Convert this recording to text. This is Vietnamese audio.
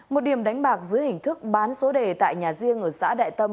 một điểm đánh bạc dưới hình thức bán số đề tại nhà riêng ở xã đại tâm